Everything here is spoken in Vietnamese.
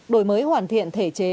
đổi mới hoàn thiện thể chế